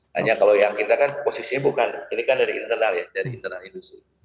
hanya kalau yang kita kan posisinya bukan ini kan dari internal ya dari internal industri